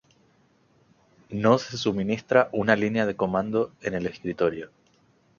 No se suministra una línea de comando en el escritorio.